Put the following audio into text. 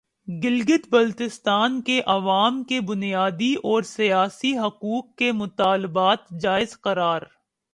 گلگت بلتستان کے عوام کے بنیادی اور سیاسی حقوق کے مطالبات جائز قرار